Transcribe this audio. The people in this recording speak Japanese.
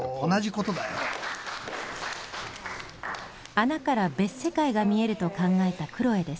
穴から別世界が見えると考えたクロエです。